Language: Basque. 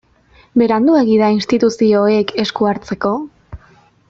Beranduegi da instituzioek esku hartzeko?